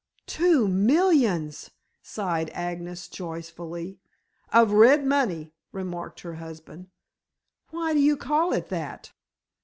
"Two millions!" sighed Agnes joyfully. "Of red money," remarked her husband. "Why do you call it that?"